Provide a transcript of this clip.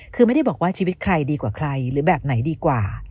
คือไม่ได้บอกว่าชีวิตใครดีกว่าใครหรือแบบไหนดีกว่า